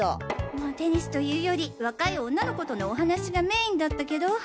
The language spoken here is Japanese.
まあテニスというより若い女の子とのお話がメインだったけど。